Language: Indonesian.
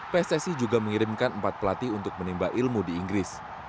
pssi juga mengirimkan empat pelatih untuk menimba ilmu di inggris